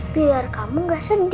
biar kamu gak sedih